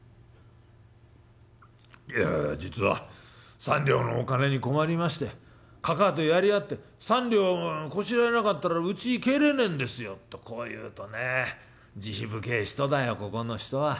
「『いや実は三両のお金に困りましてかかあとやり合って三両こしらえなかったらうちに帰れねえんですよ』とこう言うとね慈悲深え人だよここの人は。